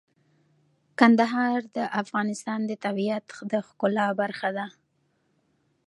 کندهار د افغانستان د طبیعت د ښکلا برخه ده.